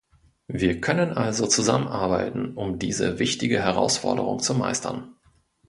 Wir können also zusammenarbeiten, um diese wichtige Herausforderung zu meistern.